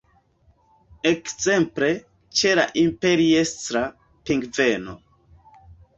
Ekzemple ĉe la Imperiestra pingveno.